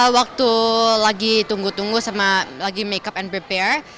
waktu lagi tunggu tunggu sama lagi makeup and prepare